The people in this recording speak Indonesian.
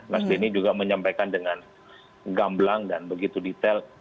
mas denny juga menyampaikan dengan gamblang dan begitu detail